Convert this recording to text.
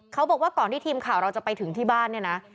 เขาบอกว่าก่อนที่ทีมข่าวเราจะไปถึงที่บ้านเนี่ยนะ